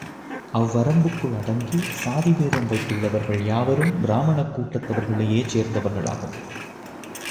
அவ்வரம்புக்குள் அடங்கி சாதி பேதம் வைத்துள்ளவர்கள் யாவரும் பிராமணக் கூட்டத்தவர்களையே சேர்ந்தவர்களாகும்.